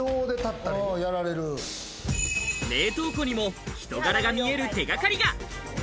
冷凍庫にも人柄が見える手掛かりが。